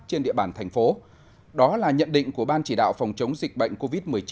trên địa bàn thành phố đó là nhận định của ban chỉ đạo phòng chống dịch bệnh covid một mươi chín